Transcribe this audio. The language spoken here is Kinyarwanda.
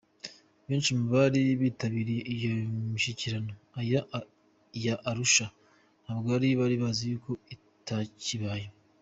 Benshi mu bari kwitabira iyo mishyikirano ya Arusha ntabwo bari bazi yuko itakibaye.